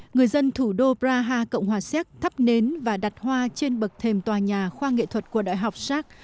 người dân thủ đô praha cộng hòa séc thắp nến và đặt hoa trên bậc thềm tòa nhà khoa nghệ thuật của đại học sác